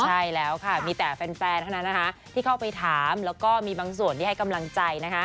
ใช่แล้วค่ะมีแต่แฟนเท่านั้นนะคะที่เข้าไปถามแล้วก็มีบางส่วนที่ให้กำลังใจนะคะ